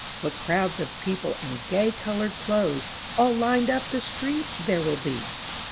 What crowds of people in gay colored clothes All lined up the street there will be.